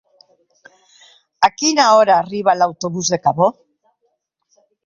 A quina hora arriba l'autobús de Cabó?